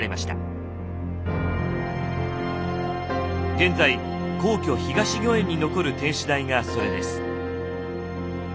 現在皇居東御苑に残る天守台がそれです。